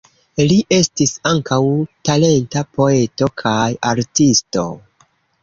Li estis ankaŭ talenta poeto kaj artisto.